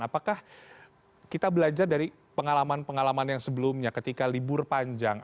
apakah kita belajar dari pengalaman pengalaman yang sebelumnya ketika libur panjang